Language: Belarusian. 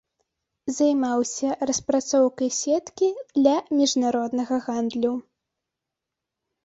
Займаўся распрацоўкай сеткі для міжнароднага гандлю.